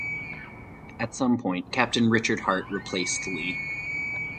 At some point Captain Richard Hart replaced Lee.